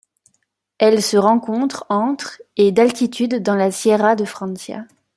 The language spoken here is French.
Elle se rencontre entre et d'altitude dans la Sierra de Francia.